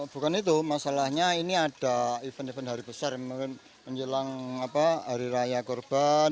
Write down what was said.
bukan itu masalahnya ini ada event event hari besar yang mungkin menjelang hari raya kurban